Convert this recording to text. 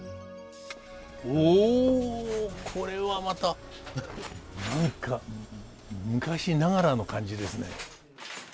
おおこれはまた何か昔ながらの感じですね。